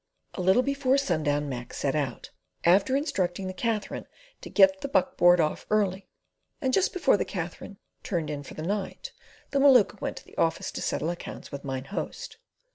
A little before sundown Mac set out, after instructing the Katherine to "get the buck board off early," and just before the Katherine "turned in" for the night, the Maluka went to the office to settle accounts with Mine Host.